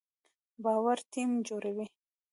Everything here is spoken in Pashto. باور ټیم جوړوي